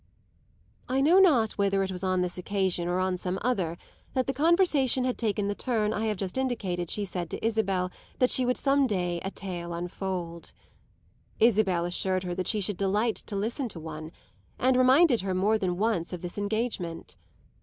I know not whether it was on this occasion or on some other that the conversation had taken the turn I have just indicated she said to Isabel that she would some day a tale unfold. Isabel assured her she should delight to listen to one, and reminded her more than once of this engagement.